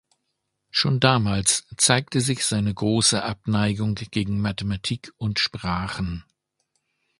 Schon damals zeigte sich seine grosse Abneigung gegen Mathematik und Sprachen.